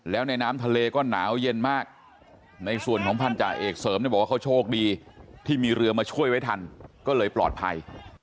แล้วในน้ำทะเลก็หนาวเย็นมากในส่วนของพันธาเอกเสริมเนี่ยบอกว่าเขาโชคดีที่มีเรือมาช่วยไว้ทันก็เลยปลอดภัย